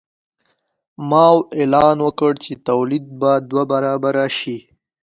ماوو اعلان وکړ چې تولید به دوه برابره شي.